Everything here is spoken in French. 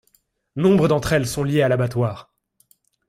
Nombre d'entre elles sont liées à l'abattoir.